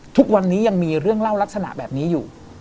ทุกวันนี้ยังมีเรื่องเล่าลักษณะแบบนี้อยู่